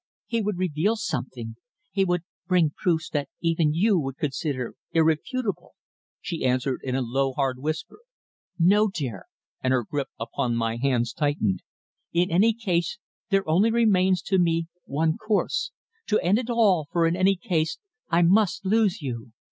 "He would reveal something he would bring proofs that even you would consider irrefutable," she answered in a low, hard whisper. "No, dear," and her grip upon my hands tightened. "In any case there only remains to me one course to end it all, for in any case, I must lose you.